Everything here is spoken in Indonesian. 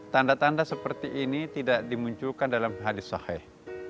tanda tanda seperti ini tidak dimunculkan dalam hadis sahe